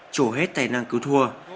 chổ hết tài năng cứu thua